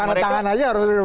buat tangan tangan aja